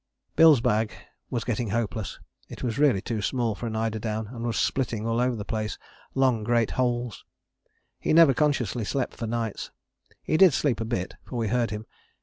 "Bill's bag was getting hopeless: it was really too small for an eider down and was splitting all over the place: great long holes. He never consciously slept for nights: he did sleep a bit, for we heard him.